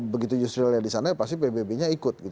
begitu israelnya di sana pasti pbb nya ikut